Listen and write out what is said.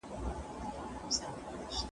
زه بايد موبایل کار کړم